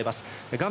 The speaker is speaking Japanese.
画面